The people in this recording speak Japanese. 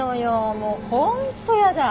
もう本当やだ。